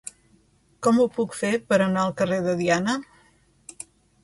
Com ho puc fer per anar al carrer de Diana?